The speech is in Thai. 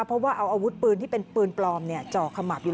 เพราะว่าเอาอาวุธปืนที่เป็นปืนปลอมจ่อขมับอยู่